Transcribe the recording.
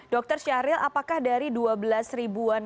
dr syahril apakah dari dua belas ribuan